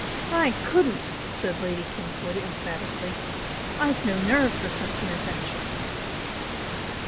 "I COULDN'T!" said Lady Kingswood, emphatically "I've no nerve for such an adventure."